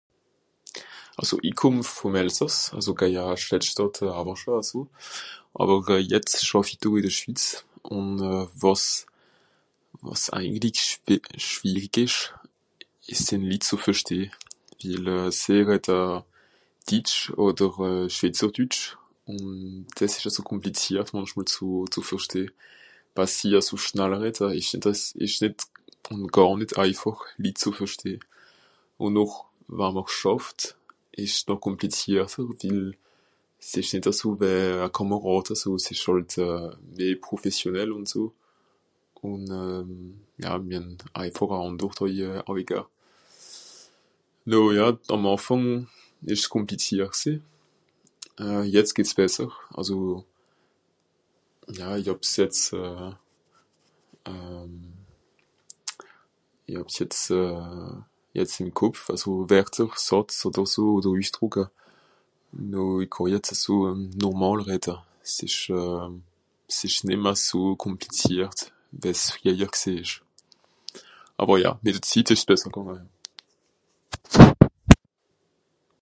Àlso i kùmm vùm Elsàss, àlso gèia Schlettschtàtt, Àmmerscha aso, Àwer euh... jetz schàff i do ì de Schwitz ùn euh... wàs... wàs, eigentlig schwe... schwirig ìsch, es sìnn d'Litt zù versteh, wil euh... sìe redde ditsch odder euh... schwitzer dütsch ùn dìs ìsch aso kùmpliziert mànchmol zù... zù versteh. Wa'sie aso schnall redda ìsch dàs... dìs gàr nìt eifàch Litt zù versteh. Ùn noch wa'mr schàfft ìsch's noch kùmplizierter wil s'ìsch nìt aso wìe e Kàmàràd eso s'ìsch hàlt euh... meh professionel ùn so. Ùn euh... ja mien eifàch a àndert àui euh... Àuiga. Noh ja àm Àfàng ìsch's kùmpliziert gsìì, euh... jetz geht's besser àlso... ja i hàb's jetz euh... euh... i hàb's jetz euh... jetz ìm Kopf aso Werter, Sàtz, odder so, odder Üssdrùcka, noh i kàà jetz aso normàl redda, s'ìsch euh... s'ìsch nìmm aso kùpliziert, wie es frìehjer gsìì ìsch. Àwer ja, mìt de Zitt ìsch's besser gànga.